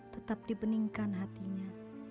tetap dibeningkan hatinya